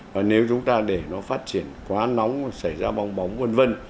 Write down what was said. và nếu chúng ta để nó phát triển quá nóng xảy ra bong bóng v v